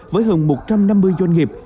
với hơn một trăm năm mươi doanh nghiệp